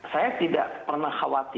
saya tidak pernah khawatir